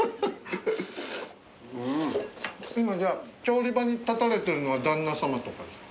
今じゃあ調理場に立たれてるのは旦那さまとかですか？